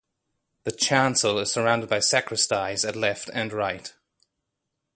The chancel is surrounded by sacristies at left and right.